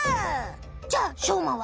じゃあしょうまは？